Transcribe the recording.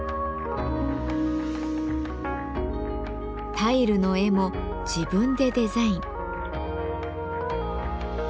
タイルの絵も自分でデザイン。